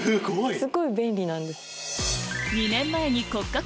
すごい便利なんです。